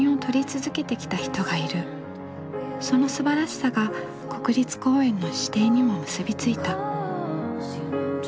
そのすばらしさが国立公園の指定にも結び付いた。